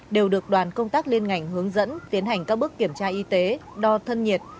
đều được đoàn công tác liên ngành hướng dẫn tiến hành các bước kiểm tra y tế đo thân nhiệt